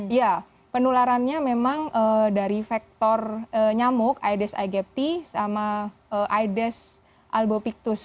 iya penularannya memang dari faktor nyamuk aedes aegypti sama aedes albopictus